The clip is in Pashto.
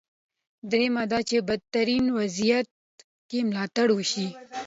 درېیم دا چې په بدترین وضعیت کې ملاتړ وشي.